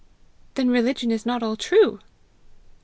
"Then religion is not all true!"